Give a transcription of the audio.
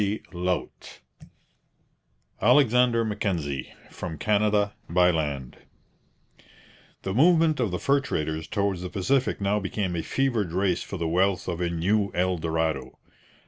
CHAPTER V 'ALEXANDER MACKENZIE, FROM CANADA, BY LAND' The movement of the fur traders towards the Pacific now became a fevered race for the wealth of a new El Dorado.